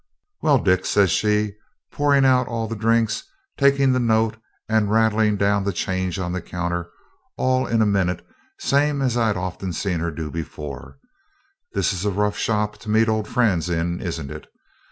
'Well, Dick!' says she, pouring out all the drinks, taking the note, and rattling down the change on the counter, all in a minute, same as I'd often seen her do before, 'this is a rough shop to meet old friends in, isn't it?